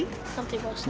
ngerti pak ustadz